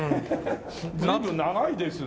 随分長いですね。